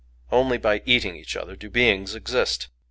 Only by eating each other do beings exist!